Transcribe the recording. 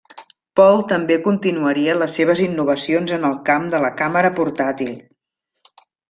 Paul també continuaria les seves innovacions en el camp de la càmera portàtil.